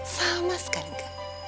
sama sekali nggak